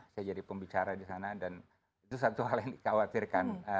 saya jadi pembicara di sana dan itu satu hal yang dikhawatirkan